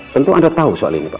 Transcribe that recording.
tentu anda tahu soal ini kok